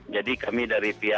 jadi kami dari pihak